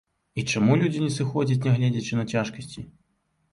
І чаму людзі не сыходзяць, нягледзячы на цяжкасці?